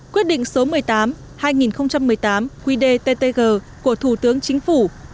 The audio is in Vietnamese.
quyết định số một mươi tám hai nghìn một mươi tám qdttg của thủ tướng chính phủ